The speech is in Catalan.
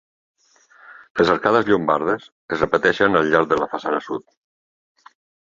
Les arcades llombardes es repeteixen al llarg de la façana sud.